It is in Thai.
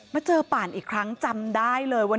มาเจอป่านอีกครั้งจำได้เลยว่า